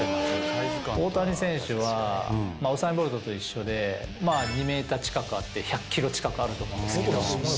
大谷選手はウサイン・ボルトと一緒で２メーター近くあって、１００キロ近くあると思うんです